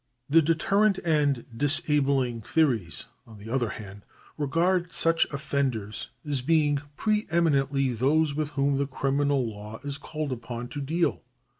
The deterrent and disabling theories, on the other hand, regard such offenders as being pre eminently those with whom the criminal law is called upon to deal.